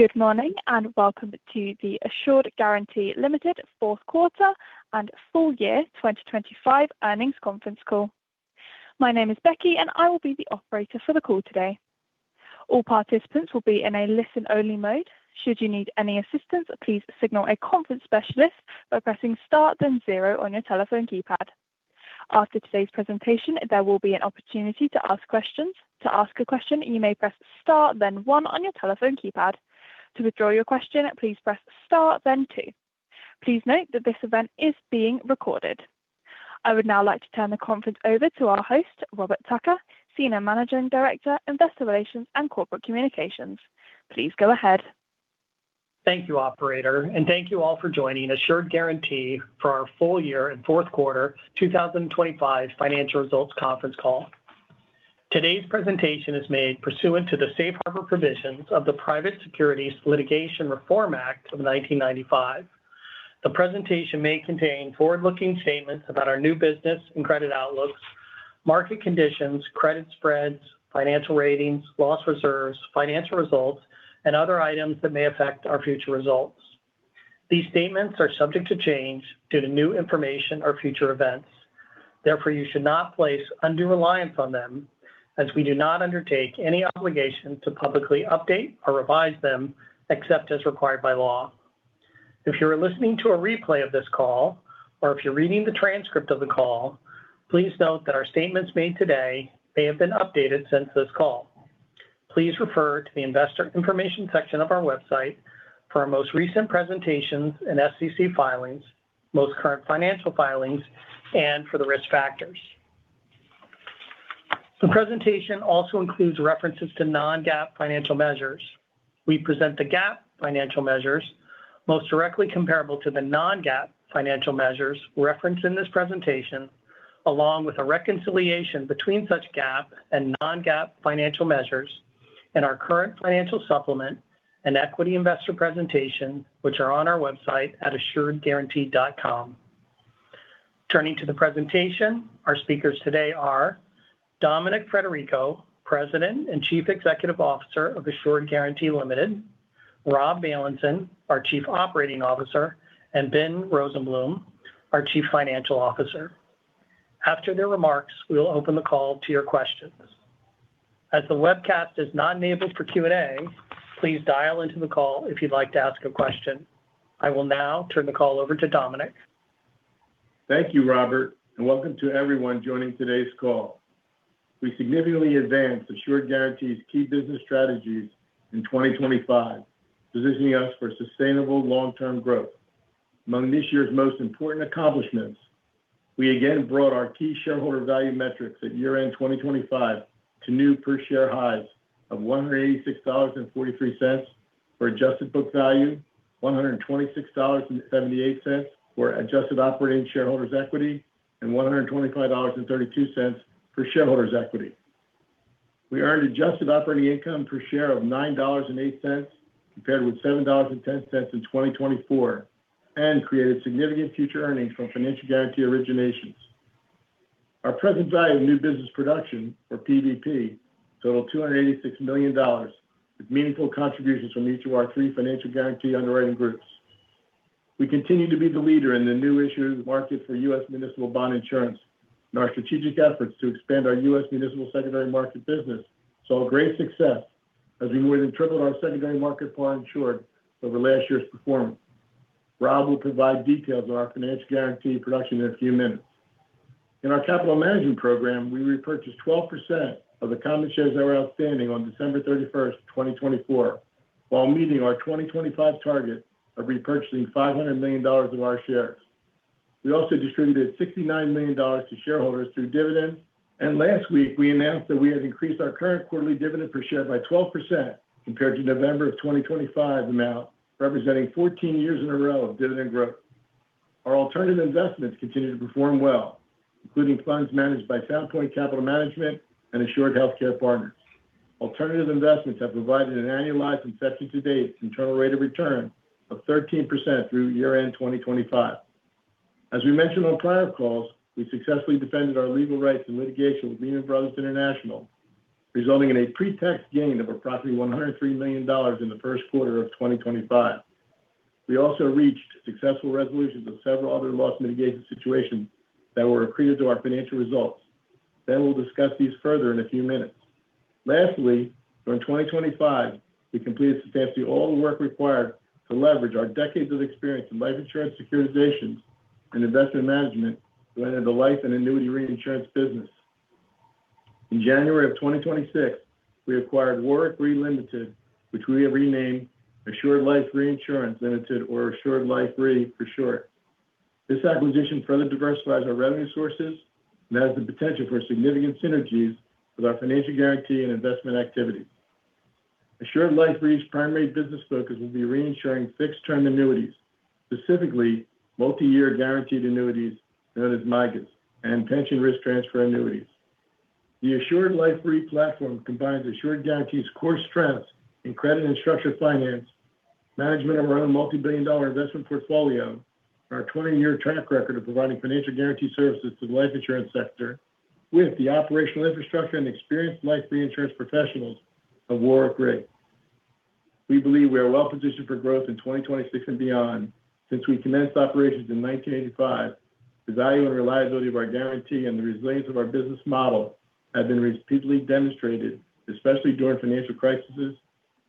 Good morning, and welcome to the Assured Guaranty Ltd. Fourth Quarter and Full Year 2025 Earnings Conference Call. My name is Becky, and I will be the operator for the call today. All participants will be in a listen-only mode. Should you need any assistance, please signal a conference specialist by pressing star, then zero on your telephone keypad. After today's presentation, there will be an opportunity to ask questions. To ask a question, you may press star, then one on your telephone keypad. To withdraw your question, please press star, then two. Please note that this event is being recorded. I would now like to turn the conference over to our host, Robert Tucker, Senior Managing Director, Investor Relations and Corporate Communications. Please go ahead. Thank you, operator, and thank you all for joining Assured Guaranty for our full year and fourth quarter 2025 financial results conference call. Today's presentation is made pursuant to the Safe Harbor Provisions of the Private Securities Litigation Reform Act of 1995. The presentation may contain forward-looking statements about our new business and credit outlooks, market conditions, credit spreads, financial ratings, loss reserves, financial results, and other items that may affect our future results. These statements are subject to change due to new information or future events. You should not place undue reliance on them as we do not undertake any obligation to publicly update or revise them, except as required by law. If you are listening to a replay of this call, or if you're reading the transcript of the call, please note that our statements made today may have been updated since this call. Please refer to the Investor Information section of our website for our most recent presentations and SEC filings, most current financial filings, and for the risk factors. The presentation also includes references to non-GAAP financial measures. We present the GAAP financial measures most directly comparable to the non-GAAP financial measures referenced in this presentation, along with a reconciliation between such GAAP and non-GAAP financial measures in our current financial supplement and equity investor presentation, which are on our website at assuredguaranty.com. Turning to the presentation, our speakers today are Dominic Frederico, President and Chief Executive Officer of Assured Guaranty Limited; Rob Bailenson, our Chief Operating Officer; and Ben Rosenblum, our Chief Financial Officer. After their remarks, we will open the call to your questions. As the webcast is not enabled for Q&A, please dial into the call if you'd like to ask a question. I will now turn the call over to Dominic. Thank you, Robert. Welcome to everyone joining today's call. We significantly advanced Assured Guaranty's key business strategies in 2025, positioning us for sustainable long-term growth. Among this year's most important accomplishments, we again brought our key shareholder value metrics at year-end 2025 to new per-share highs of $186.43 for adjusted book value, $126.78 for adjusted operating shareholders' equity, and $125.32 for shareholders' equity. We earned adjusted operating income per share of $9.08, compared with $7.10 in 2024, and created significant future earnings from financial guarantee originations. Our present value of new business production, or PVP, totaled $286 million, with meaningful contributions from each of our three financial guarantee underwriting groups. We continue to be the leader in the new issues market for U.S. municipal bond insurance, our strategic efforts to expand our U.S. municipal secondary market business saw great success as we more than tripled our secondary market for insured over last year's performance. Rob will provide details on our financial guarantee production in a few minutes. In our capital management program, we repurchased 12% of the common shares that were outstanding on December 31, 2024, while meeting our 2025 target of repurchasing $500 million of our shares. We also distributed $69 million to shareholders through dividends, last week we announced that we have increased our current quarterly dividend per share by 12% compared to November 2025 amount, representing 14 years in a row of dividend growth. Our alternative investments continue to perform well, including funds managed by Sound Point Capital Management and Assured Healthcare Partners. Alternative investments have provided an annualized and set-to-date internal rate of return of 13% through year-end 2025. As we mentioned on prior calls, we successfully defended our legal rights and litigation with Lehman Brothers International, resulting in a pre-tax gain of approximately $103 million in the first quarter of 2025. We also reached successful resolutions of several other loss mitigation situations that were accretive to our financial results. We'll discuss these further in a few minutes. Lastly, during 2025, we completed substantially all the work required to leverage our decades of experience in life insurance, securitizations, and investment management to enter the life and annuity reinsurance business. In January of 2026, we acquired Warwick Re Limited, which we have renamed Assured Life Reinsurance Limited or Assured Life Re for short. This acquisition further diversifies our revenue sources and has the potential for significant synergies with our financial guarantee and investment activities. Assured Life Re's primary business focus will be reinsuring fixed-term annuities, specifically Multi-Year Guaranteed Annuities known as MYGAs and Pension Risk Transfer annuities. The Assured Life Re platform combines Assured Guaranty's core strengths in credit and structured finance, management of our multibillion-dollar investment portfolio, our 20-year track record of providing financial guarantee services to the life insurance sector with the operational infrastructure and experienced life reinsurance professionals of War. We believe we are well-positioned for growth in 2026 and beyond since we commenced operations in 1985. The value and reliability of our guarantee and the resilience of our business model have been repeatedly demonstrated, especially during financial crises,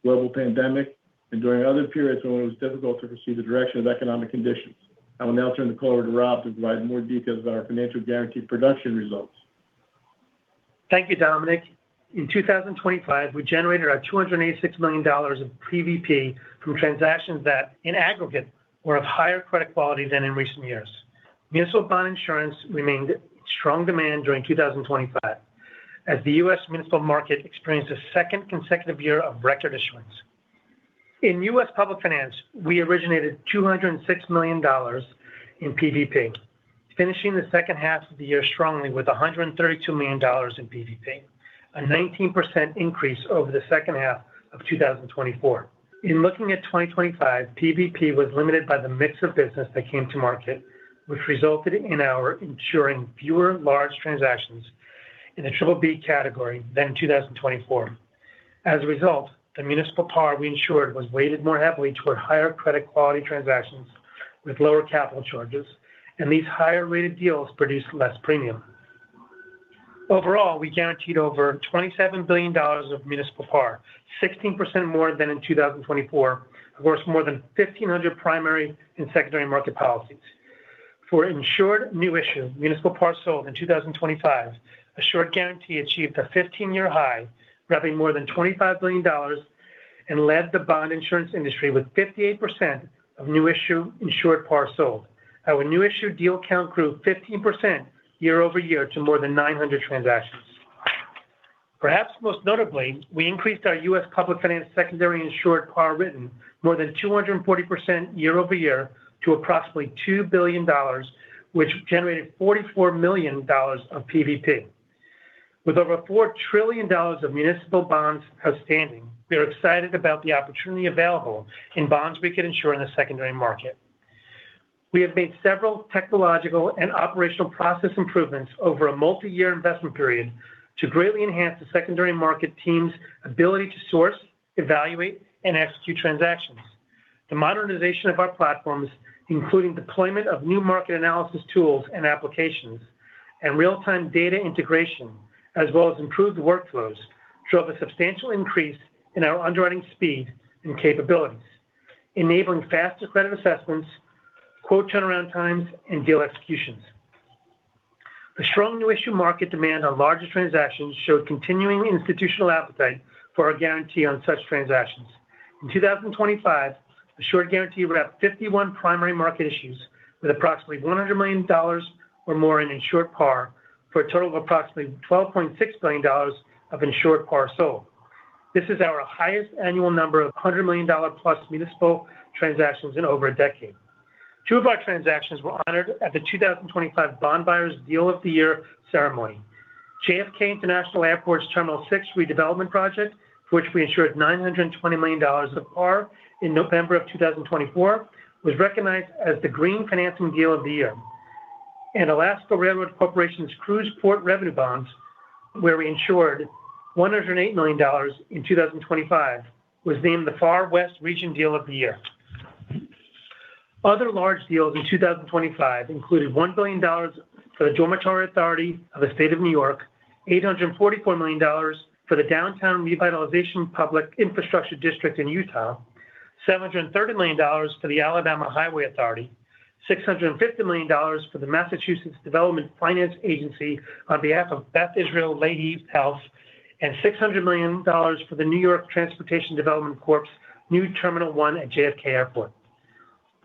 global pandemic, and during other periods when it was difficult to foresee the direction of economic conditions. I will now turn the call over to Rob to provide more details about our financial guarantee production results. Thank you, Dominic. In 2025, we generated our $286 million of PVP from transactions that, in aggregate, were of higher credit quality than in recent years. Municipal bond insurance remained in strong demand during 2025, as the U.S. municipal market experienced a second consecutive year of record issuance. In U.S. public finance, we originated $206 million in PVP, finishing the second half of the year strongly with $132 million in PVP, a 19% increase over the second half of 2024. In looking at 2025, PVP was limited by the mix of business that came to market, which resulted in our insuring fewer large transactions in the BBB category than in 2024. As a result, the municipal par we insured was weighted more heavily toward higher credit quality transactions with lower capital charges, and these higher-rated deals produced less premium. Overall, we guaranteed over $27 billion of municipal par, 16% more than in 2024, worth more than 1,500 primary and secondary market policies. For insured new issue, municipal par sold in 2025, Assured Guaranty achieved a 15-year high, repping more than $25 billion and led the bond insurance industry with 58% of new issue insured par sold. Our new issue deal count grew 15% year-over-year to more than 900 transactions. Perhaps most notably, we increased our U.S. public finance secondary insured par written more than 240% year-over-year to approximately $2 billion, which generated $44 million of PVP. With over $4 trillion of municipal bonds outstanding, we are excited about the opportunity available in bonds we can insure in the secondary market. We have made several technological and operational process improvements over a multi-year investment period to greatly enhance the secondary market team's ability to source, evaluate, and execute transactions. The modernization of our platforms, including deployment of new market analysis tools and applications and real-time data integration, as well as improved workflows, drove a substantial increase in our underwriting speed and capabilities, enabling faster credit assessments, quote turnaround times, and deal executions. The strong new issue market demand on larger transactions showed continuing institutional appetite for our guarantee on such transactions. In 2025, Assured Guaranty wrapped 51 primary market issues with approximately $100 million or more in insured par, for a total of approximately $12.6 billion of insured par sold. This is our highest annual number of $100 million-plus municipal transactions in over a decade. Two of our transactions were honored at the 2025 The Bond Buyer's Deal of the Year ceremony. JFK International Airport's Terminal 6 redevelopment project, for which we insured $920 million of par in November 2024, was recognized as the Green Financing Deal of the Year. Alaska Railroad Corporation's Cruise Port Revenue Bonds, where we insured $108 million in 2025, was named the Far West Region Deal of the Year. Other large deals in 2025 included $1 billion for the Dormitory Authority of the State of New York, $844 million for the Downtown Revitalization Public Infrastructure District in Utah, $730 million for the Alabama Highway Authority, $650 million for the Massachusetts Development Finance Agency on behalf of Beth Israel Lahey Health, and $600 million for the New York Transportation Development Corp's new Terminal one at JFK Airport.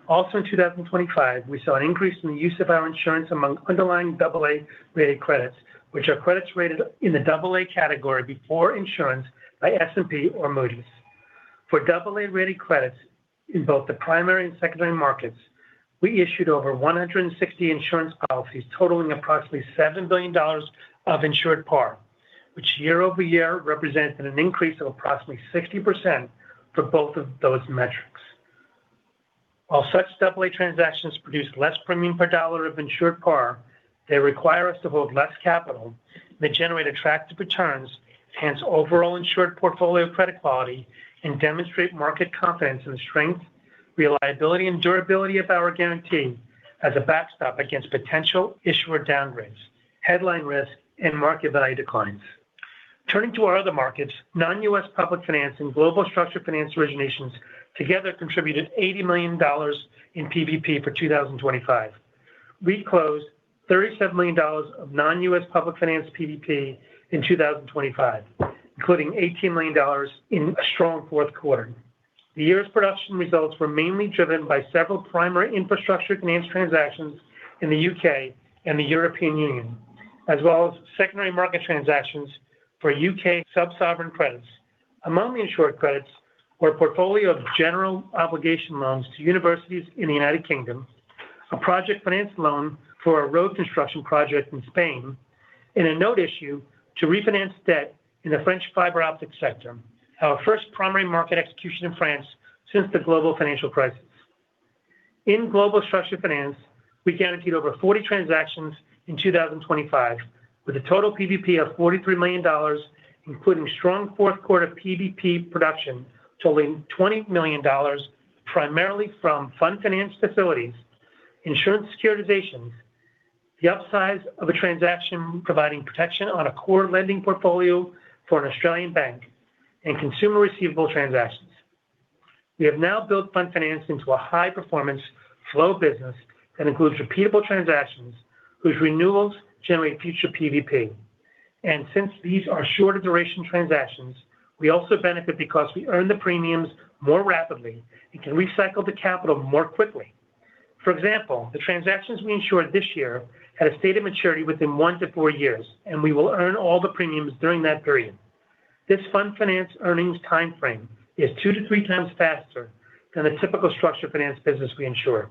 In 2025, we saw an increase in the use of our insurance among underlying AA-rated credits, which are credits rated in the AA category before insurance by S&P or Moody's. For AA-rated credits in both the primary and secondary markets, we issued over 160 insurance policies, totaling approximately $7 billion of insured par, which year-over-year represents an increase of approximately 60% for both of those metrics. While such AA transactions produce less premium per dollar of insured par, they require us to hold less capital. They generate attractive returns, enhance overall insured portfolio credit quality, and demonstrate market confidence and strength, reliability, and durability of our guarantee as a backstop against potential issuer downgrades, headline risk, and market value declines. Turning to our other markets, non-US public finance and global structured finance originations together contributed $80 million in PVP for 2025. We closed $37 million of non-US public finance PVP in 2025, including $18 million in a strong fourth quarter. The year's production results were mainly driven by several primary infrastructure finance transactions in the U.K. and the European Union, as well as secondary market transactions for U.K. sub-sovereign credits. Among the insured credits were a portfolio of general obligation loans to universities in the United Kingdom, a project finance loan for a road construction project in Spain, and a note issue to refinance debt in the French fiber optics sector, our first primary market execution in France since the global financial crisis. In global structured finance, we guaranteed over 40 transactions in 2025, with a total PVP of $43 million, including strong fourth quarter PVP production totaling $20 million, primarily from fund finance facilities, insurance securitizations, the upsize of a transaction providing protection on a core lending portfolio for an Australian bank, and consumer receivable transactions. We have now built fund finance into a high-performance flow business that includes repeatable transactions whose renewals generate future PVP. Since these are shorter-duration transactions, we also benefit because we earn the premiums more rapidly and can recycle the capital more quickly. For example, the transactions we insured this year had a stated maturity within 1-4 years, and we will earn all the premiums during that period. This fund finance earnings time frame is 2x-3x faster than the typical structured finance business we insure.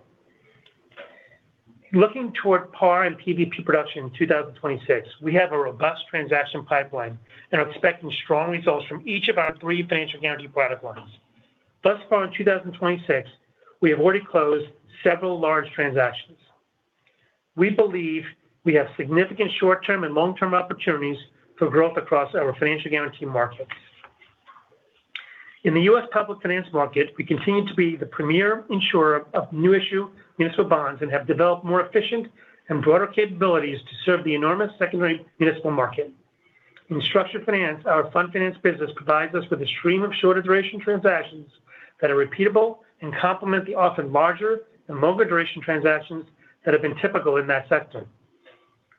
Looking toward PAR and PVP production in 2026, we have a robust transaction pipeline and are expecting strong results from each of our three financial guarantee product lines. Thus far, in 2026, we have already closed several large transactions. We believe we have significant short-term and long-term opportunities for growth across our financial guaranty markets. In the U.S. public finance market, we continue to be the premier insurer of new issue municipal bonds and have developed more efficient and broader capabilities to serve the enormous secondary municipal market. In structured finance, our fund finance business provides us with a stream of shorter-duration transactions that are repeatable and complement the often larger and longer-duration transactions that have been typical in that sector.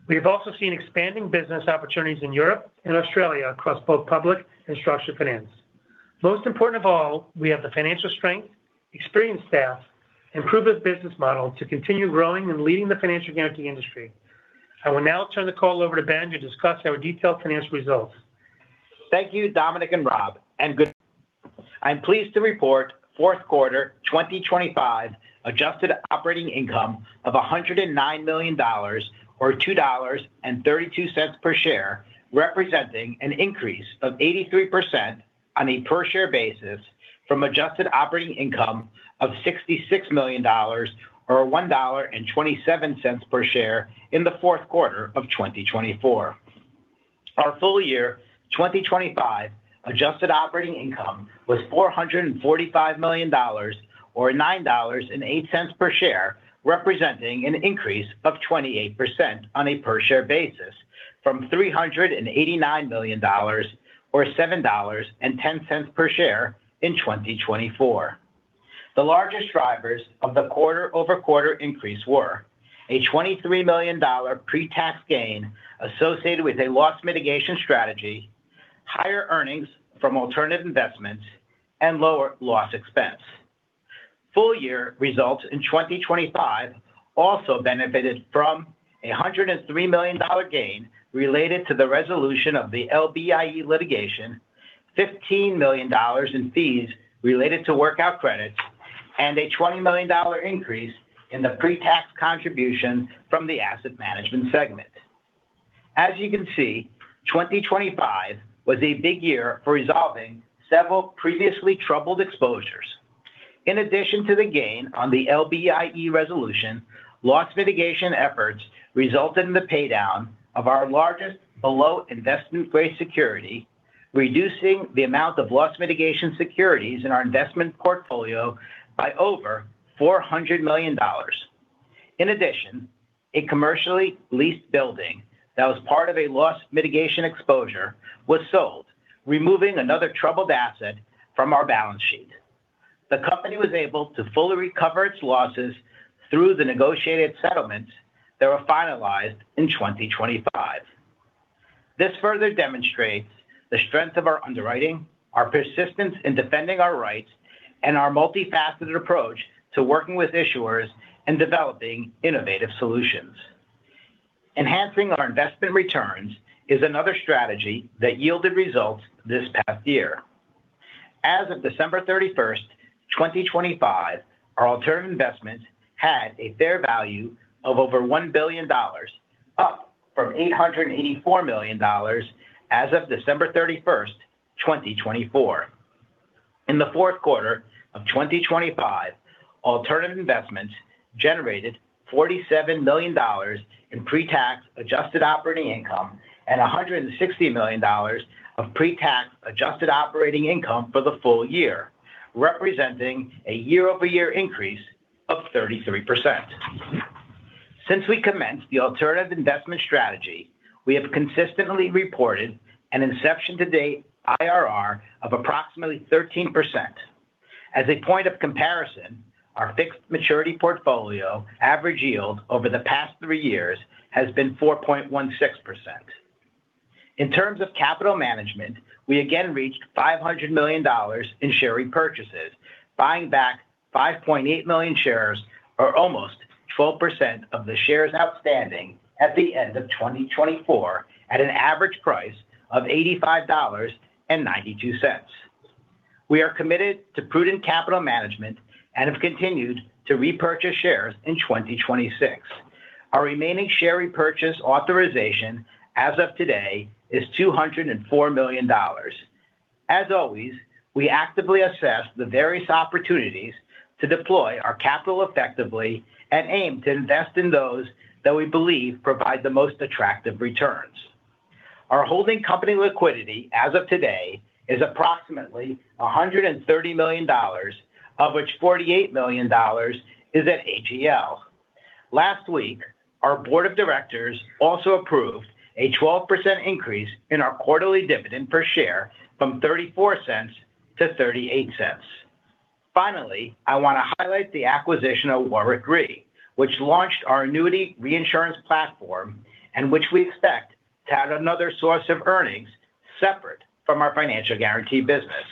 We have also seen expanding business opportunities in Europe and Australia across both public and structured finance. Most important of all, we have the financial strength, experienced staff, and proven business model to continue growing and leading the financial guaranty industry. I will now turn the call over to Ben to discuss our detailed financial results. Thank you, Dominic and Rob. I'm pleased to report fourth quarter 2025 adjusted operating income of $109 million or $2.32 per share, representing an increase of 83% on a per-share basis from adjusted operating income of $66 million or $1.27 per share in the fourth quarter of 2024. Our full year 2025 adjusted operating income was $445 million or $9.08 per share, representing an increase of 28% on a per-share basis from $389 million or $7.10 per share in 2024. The largest drivers of the quarter-over-quarter increase were a $23 million pre-tax gain associated with a loss mitigation strategy, higher earnings from alternative investments, and lower loss expense. Full-year results in 2025 also benefited from a $103 million gain related to the resolution of the LBIE litigation, $15 million in fees related to workout credits, and a $20 million increase in the pre-tax contribution from the asset management segment. As you can see, 2025 was a big year for resolving several previously troubled exposures. In addition to the gain on the LBIE resolution, loss mitigation efforts resulted in the paydown of our largest below investment-grade security, reducing the amount of loss mitigation securities in our investment portfolio by over $400 million. In addition, a commercially leased building that was part of a loss mitigation exposure was sold, removing another troubled asset from our balance sheet. The company was able to fully recover its losses through the negotiated settlements that were finalized in 2025. This further demonstrates the strength of our underwriting, our persistence in defending our rights, and our multifaceted approach to working with issuers and developing innovative solutions. Enhancing our investment returns is another strategy that yielded results this past year. As of December 31, 2025, our alternative investments had a fair value of over $1 billion, up from $884 million as of December 31, 2024. In the fourth quarter of 2025, alternative investments generated $47 million in pre-tax adjusted operating income and $160 million of pre-tax adjusted operating income for the full year, representing a year-over-year increase of 33%. Since we commenced the alternative investment strategy, we have consistently reported an inception-to-date IRR of approximately 13%. As a point of comparison, our fixed maturity portfolio average yield over the past 3 years has been 4.16%. In terms of capital management, we again reached $500 million in share repurchases, buying back 5.8 million shares or almost 12% of the shares outstanding at the end of 2024 at an average price of $85.92. We are committed to prudent capital management and have continued to repurchase shares in 2026. Our remaining share repurchase authorization as of today is $204 million. As always, we actively assess the various opportunities to deploy our capital effectively and aim to invest in those that we believe provide the most attractive returns. Our holding company liquidity as of today is approximately $130 million, of which $48 million is at AGL. Last week, our board of directors also approved a 12% increase in our quarterly dividend per share from $0.34 to $0.38. Finally, I want to highlight the acquisition of Warwick Re, which launched our annuity reinsurance platform and which we expect to add another source of earnings separate from our financial guarantee business.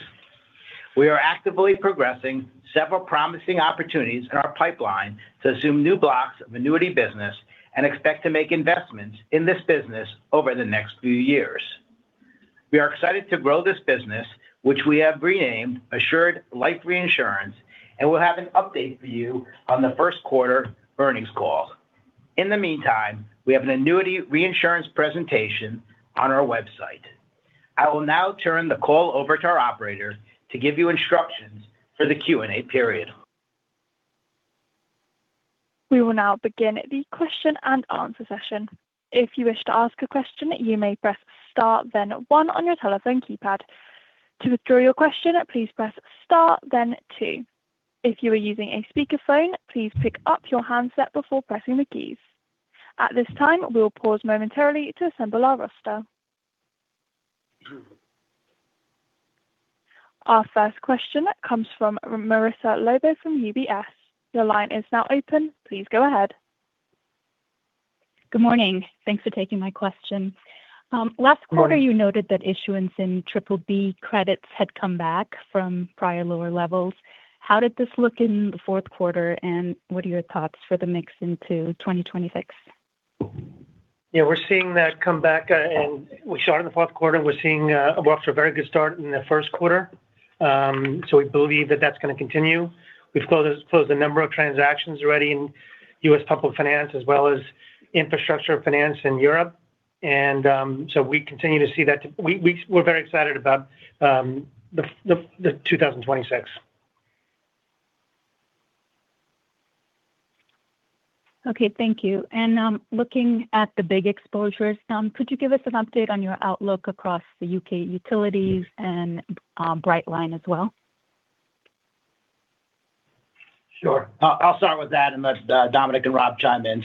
We are actively progressing several promising opportunities in our pipeline to assume new blocks of annuity business and expect to make investments in this business over the next few years. We are excited to grow this business, which we have renamed Assured Life Reinsurance, and we'll have an update for you on the first quarter earnings call. In the meantime, we have an annuity reinsurance presentation on our website. I will now turn the call over to our operator to give you instructions for the Q&A period. We will now begin the question-and-answer session. If you wish to ask a question, you may press star, then one on your telephone keypad. To withdraw your question, please press star, then two. If you are using a speakerphone, please pick up your handset before pressing the keys. At this time, we will pause momentarily to assemble our roster. Our first question comes from Marissa Lobo from UBS. Your line is now open. Please go ahead. Good morning. Thanks for taking my question. Last quarter, you noted that issuance in triple B credits had come back from prior lower levels. How did this look in the fourth quarter, and what are your thoughts for the mix into 2026? Yeah, we're seeing that come back. We saw it in the fourth quarter. We're seeing, well, off to a very good start in the first quarter. We believe that that's gonna continue. We've closed a number of transactions already in U.S. public finance as well as infrastructure finance in Europe. We continue to see that. We're very excited about the 2026. Okay. Thank you. Looking at the big exposures, could you give us an update on your outlook across the U.K. utilities and Brightline as well? Sure. I'll start with that, unless Dominic and Rob chime in.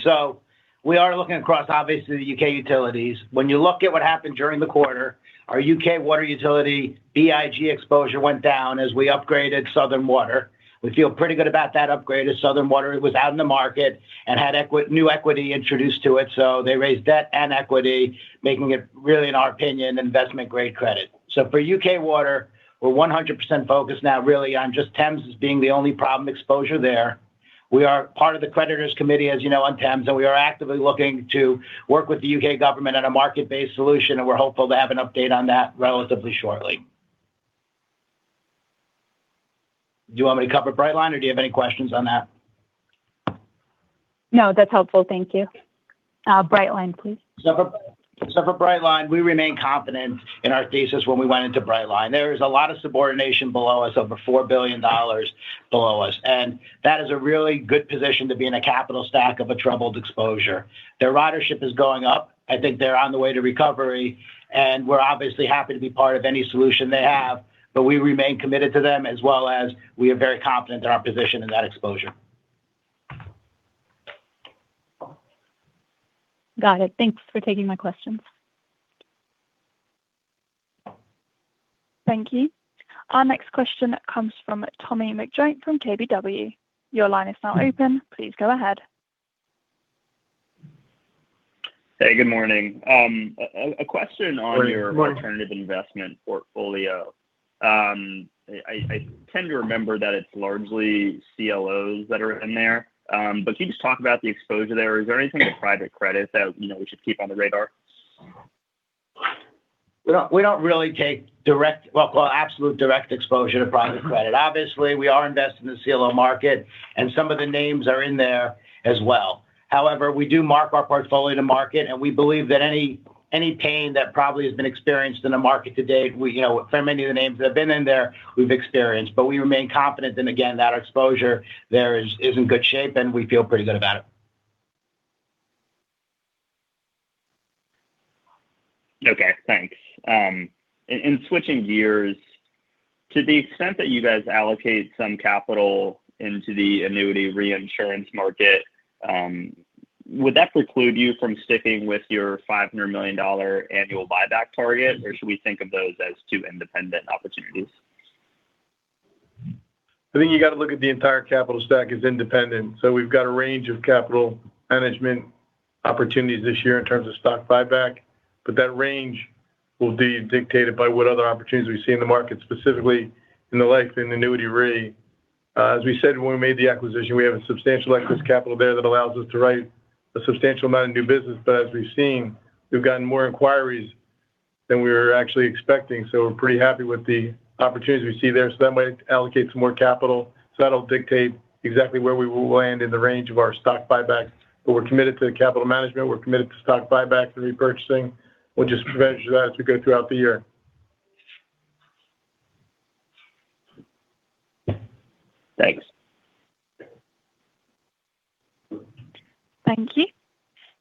We are looking across, obviously, the U.K. utilities. When you look at what happened during the quarter, our U.K. water utility, big exposure, went down as we upgraded Southern Water. We feel pretty good about that upgrade, as Southern Water was out in the market and had new equity introduced to it, so they raised debt and equity, making it really, in our opinion, investment-grade credit. For U.K. Water, we're 100% focused now really on just Thames as being the only problem exposure there. We are part of the creditors' committee, as you know, on Thames, we are actively looking to work with the U.K. government on a market-based solution, we're hopeful to have an update on that relatively shortly. Do you want me to cover Brightline, or do you have any questions on that? No, that's helpful. Thank you. Brightline, please. For Brightline, we remain confident in our thesis when we went into Brightline. There is a lot of subordination below us, over $4 billion below us, that is a really good position to be in a capital stack of a troubled exposure. Their ridership is going up. I think they're on the way to recovery, we're obviously happy to be part of any solution they have, we remain committed to them as well as we are very confident in our position in that exposure. Got it. Thanks for taking my questions. Thank you. Our next question comes from Tommy McJoynt from KBW. Your line is now open. Please go ahead. Hey, good morning. A question. Good morning. Your alternative investment portfolio. I tend to remember that it's largely CLOs that are in there. Can you just talk about the exposure there? Is there anything in private credit that, you know, we should keep on the radar? We don't really take direct, well, well, absolute direct exposure to private credit. Obviously, we are invested in the CLO market, and some of the names are in there as well. However, we do mark our portfolio to market, and we believe that any pain that probably has been experienced in the market today, we, you know, fair manner to the names that have been in there, we've experienced. We remain confident that, again, that our exposure there is in good shape, and we feel pretty good about it. Okay, thanks. Switching gears, to the extent that you guys allocate some capital into the annuity reinsurance market, would that preclude you from sticking with your $500 million annual buyback target, or should we think of those as two independent opportunities? I think you got to look at the entire capital stack as independent. We've got a range of capital management opportunities this year in terms of stock buyback, but that range will be dictated by what other opportunities we see in the market, specifically in the life and annuity rate. As we said when we made the acquisition, we have a substantial excess capital there that allows us to write a substantial amount of new business, but as we've seen, we've gotten more inquiries than we were actually expecting, so we're pretty happy with the opportunities we see there. That might allocate some more capital. That'll dictate exactly where we will land in the range of our stock buyback, but we're committed to the capital management. We're committed to stock buyback, to repurchasing. We'll just measure that as we go throughout the year. Thanks. Thank you.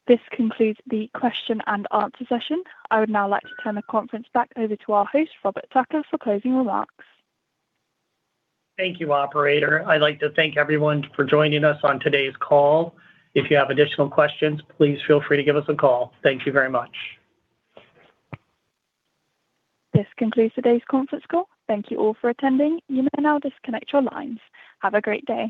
This concludes the question-and-answer session. I would now like to turn the conference back over to our host, Robert Tucker, for closing remarks. Thank you, operator. I'd like to thank everyone for joining us on today's call. If you have additional questions, please feel free to give us a call. Thank you very much. This concludes today's conference call. Thank you all for attending. You may now disconnect your lines. Have a great day.